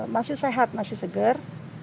masih sehat masih seger